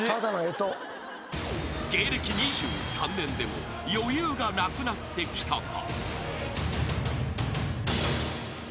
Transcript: ［芸歴２３年でも余裕がなくなってきたか？］